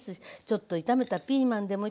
ちょっと炒めたピーマンでも。